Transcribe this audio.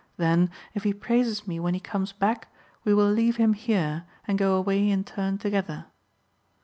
Then, if he praises me when he comes back, we will leave him here, and go away in turn together."